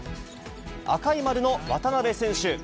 赤い丸の渡邊選手。